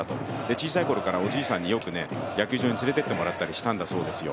小さいころから、おじいさんによく野球場に連れていってもらったんだそうですよ。